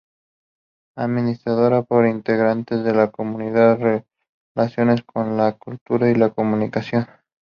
Administrada por integrantes de la comunidad, relacionados con la cultura y la comunicación.